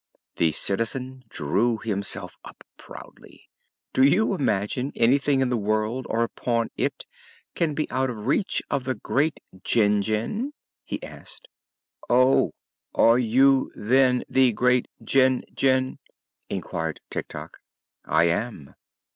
The Citizen drew himself up proudly. "Do you imagine anything in the world or upon it can be out of the reach of the Great Jinjin?" he asked. "Oh! Are you, then, the Great Jinjin?" inquired Tik Tok. "I am."